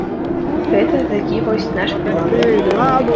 Гэта такі вось наш феномен.